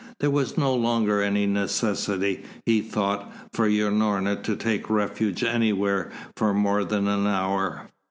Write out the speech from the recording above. There was no longer any necessity, he thought, for Unorna to take refuge anywhere for more than an hour.